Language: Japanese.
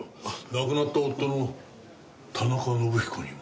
亡くなった夫の田中伸彦にも。